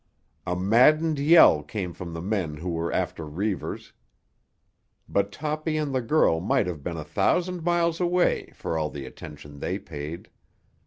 A maddened yell came from the men who were after Reivers. But Toppy and the girl might have been a thousand miles away for all the attention they paid.